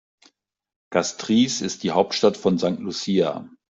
Castries ist die Hauptstadt von St. Lucia.